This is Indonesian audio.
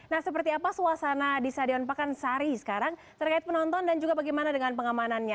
nah seperti apa suasana di stadion pakansari sekarang terkait penonton dan juga bagaimana dengan pengamanannya